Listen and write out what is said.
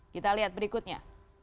kita lihat berikutnya